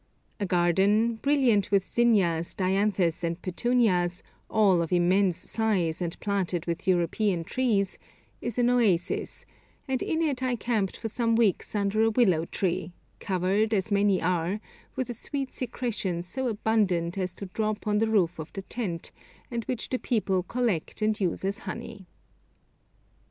A garden, brilliant with zinnias, dianthus, and petunias, all of immense size, and planted with European trees, is an oasis, and in it I camped for some weeks under a willow tree, covered, as many are, with a sweet secretion so abundant as to drop on the roof of the tent, and which the people collect and use as honey.